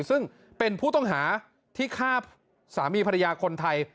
ซึ่งเป็นผู้ต้องหาที่ฆ่าสามีภรรยาคนไทย